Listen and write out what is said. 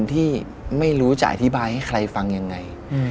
ที่ไม่รู้จะอธิบายให้ใครฟังยังไง